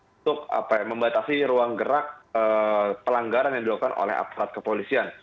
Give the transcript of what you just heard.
untuk membatasi ruang gerak pelanggaran yang dilakukan oleh aparat kepolisian